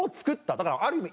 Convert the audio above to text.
だからある意味